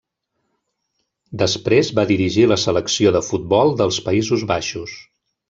Després, va dirigir la Selecció de futbol dels Països Baixos.